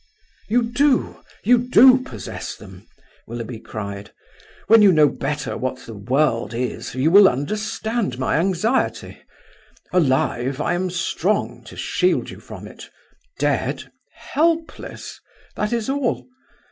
"You do; you do possess them!" Willoughby cried. "When you know better what the world is, you will understand my anxiety. Alive, I am strong to shield you from it; dead, helpless that is all.